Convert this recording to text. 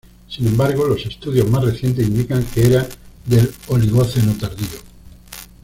Sin embargo, los estudios más recientes indican que era del Oligoceno tardío.